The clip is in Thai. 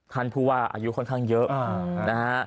ท่านผู้ว่าอายุค่อนข้างเยอะนะฮะ